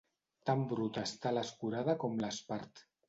Tan bruta està l'escurada com l'espart.